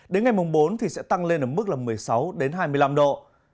đến ngày mùng bốn thì sẽ tăng lên mức là một mươi sáu hai mươi năm độ